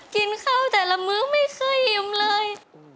กินข้าวแต่ละมื้อไม่เคยอิ่มเลย